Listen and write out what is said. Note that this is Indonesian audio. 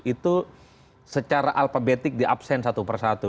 itu secara alfabetik di absen satu persatu